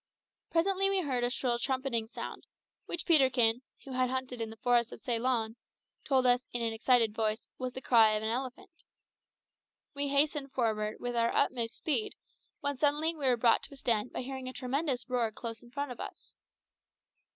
Presently we heard a shrill trumpeting sound, which Peterkin, who had hunted in the forests of Ceylon, told us, in an excited voice, was the cry of the elephant. We hastened forward with our utmost speed, when suddenly we were brought to a stand by hearing a tremendous roar close in front of us.